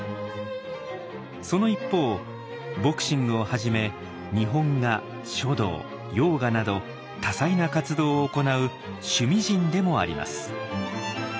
その一方ボクシングをはじめ日本画書道ヨーガなど多彩な活動を行う趣味人でもあります。